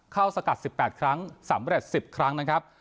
สกัด๑๘ครั้งสำเร็จ๑๐ครั้งนะครับ